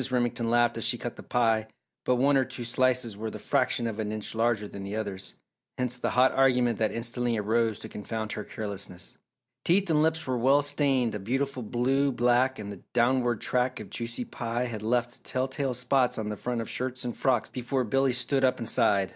Remington laughed as she cut the pie but one or two slices were the fraction of an inch larger than the others, hence the hot argument that instantly arose to confound her carelessness. Teeth and lips were well stained a beautiful blue black and the downward track of juicy pie had left telltale spots on the front of shirts and frocks before Billy stood up and sighed.